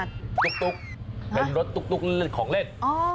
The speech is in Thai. ตุ๊กเป็นรถตุ๊กเล่นของเล่น